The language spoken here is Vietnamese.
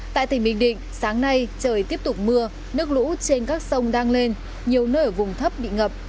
tại tỉnh bình định sáng nay trời tiếp tục mưa nước lũ trên các sông đang lên nhiều nơi ở vùng thấp bị ngập